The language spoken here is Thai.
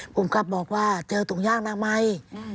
พุ่มครับบอกว่าเจอตุ๋งย่างน้ำไหม